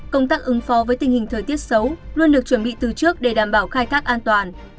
công tác ứng phó với tình hình thời tiết xấu luôn được chuẩn bị từ trước để đảm bảo khai thác an toàn